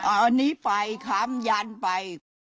อันนี้ไปค้ำยันไป